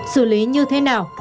xử lý như thế nào